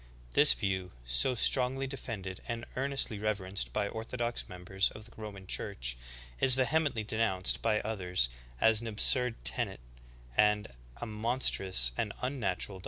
This view, so strongly defended and earnestly reverenced by orthodox members of the Roman Church, is vehemently denounced by others as "an absurd tenet,"^ and a "monstrous and un natural doctrine.""'